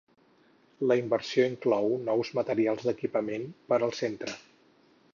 La inversió inclou nous materials d’equipament per al centre.